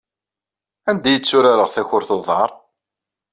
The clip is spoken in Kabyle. Anda ay tturareɣ takurt n uḍar?